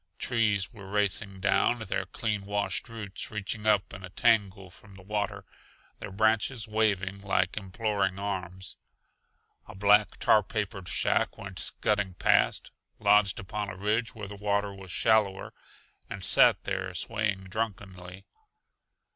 Trees were racing down, their clean washed roots reaching up in a tangle from the water, their branches waving like imploring arms. A black, tar papered shack went scudding past, lodged upon a ridge where the water was shallower, and sat there swaying drunkenly.